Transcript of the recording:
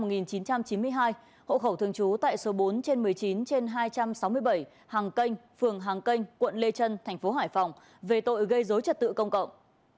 về đối tượng ngô hùng cường sinh năm một nghìn chín trăm chín mươi hai hộ khẩu thường chú tại số bốn trên một mươi chín trên hai trăm sáu mươi bảy hàng canh phường hàng canh quận lê trân thành phố hải phòng về tội gây dối trật tự công cộng